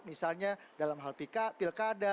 misalnya dalam hal pilkada